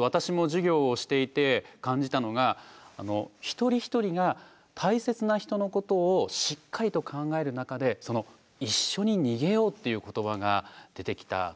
私も授業をしていて感じたのが一人一人が大切な人のことをしっかりと考える中で「一緒に逃げよう」っていう言葉が出てきた時でした。